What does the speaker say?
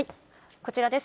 こちらです。